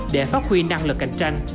để phát huy năng lực cạnh tranh